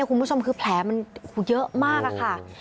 คุณผู้ชมคือแผลมันเยอะมากค่ะ